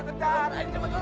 kejar kemana bos